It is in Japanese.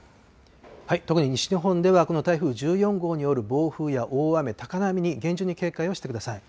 特に西日本では、この台風１４号による暴風や大雨、高波に厳重に警戒をしてください。